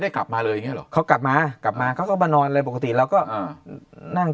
ได้กลับมาเลยเขากลับมากลับมาก็มานอนเลยปกติแล้วก็นั่ง